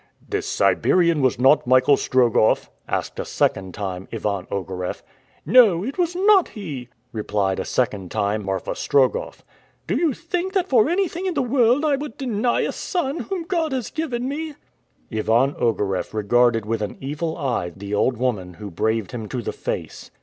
"This Siberian was not Michael Strogoff?" asked a second time Ivan Ogareff. "No, it was not he," replied a second time Marfa Strogoff. "Do you think that for anything in the world I would deny a son whom God has given me?" Ivan Ogareff regarded with an evil eye the old woman who braved him to the face.